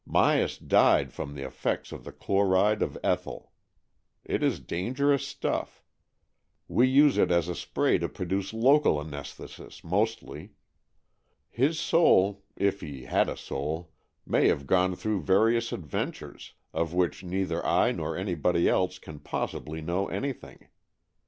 Myas died from the effects of the chloride of ethyl. It is dangerous stuff. We use it as a spray to produce local anaesthesis mostly. His soul, if he had a soul, may have gone through various adventures, of which neither I nor anybody else can possibly know anything.